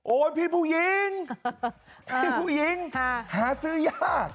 พี่ผู้หญิงพี่ผู้หญิงหาซื้อยาก